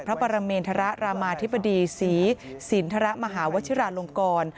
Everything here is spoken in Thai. พระประเมนธรรมาธิบดีศีลธรมหาวชิราลงกร